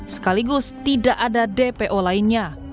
sekaligus tidak ada dpo lainnya